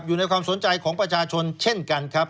อยู่ในความสนใจของประชาชนเช่นกันครับ